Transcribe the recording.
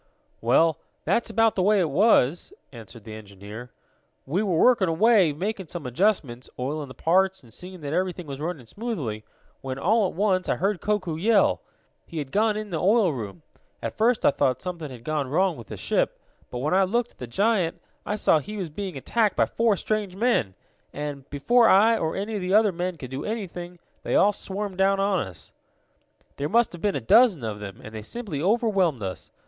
"Well, that's about the way it was," answered the engineer. "We were working away, making some adjustments, oiling the parts and seeing that everything was running smoothly, when, all at once, I heard Koku yell. He had gone in the oil room. At first I thought something had gone wrong with the ship, but, when I looked at the giant, I saw he was being attacked by four strange men. And, before I, or any of the other men, could do anything, they all swarmed down on us. "There must have been a dozen of them, and they simply overwhelmed us.